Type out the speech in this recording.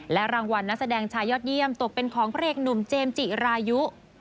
รางวัลนักแสดงชายยอดเยี่ยมตกเป็นของพระเอกหนุ่มเจมส์จิรายุ